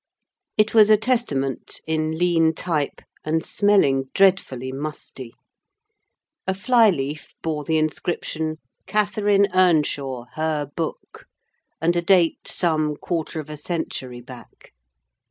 It was a Testament, in lean type, and smelling dreadfully musty: a fly leaf bore the inscription—"Catherine Earnshaw, her book," and a date some quarter of a century back.